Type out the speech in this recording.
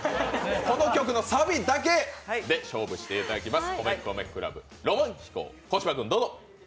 この曲のサビだけで勝負していただきます。